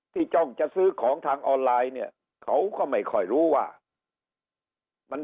จ้องจะซื้อของทางออนไลน์เนี่ยเขาก็ไม่ค่อยรู้ว่ามัน